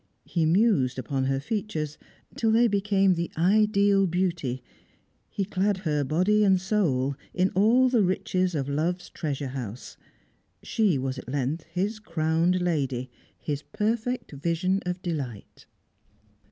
He mused upon her features till they became the ideal beauty; he clad her, body and soul, in all the riches of love's treasure house; she was at length his crowned lady, his perfect vision of delight.